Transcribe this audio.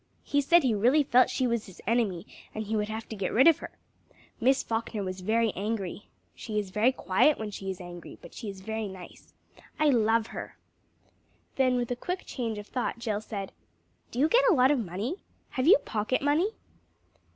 He said he really felt she was his enemy, and he would have to get rid of her! Miss Falkner was very angry. She is very quiet when she is angry, but she's very nice. I love her!" Then with a quick change of thought, Jill said "Do you get a lot of money? Have you pocket money?"